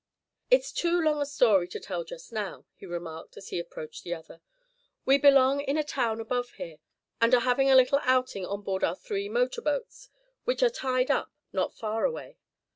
"It's too long a story to tell just now," he remarked as he approached the other. "We belong in a town above here, and are having a little outing on board our three motor boats, which are tied up not far away.